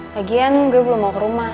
pagian gue belum mau ke rumah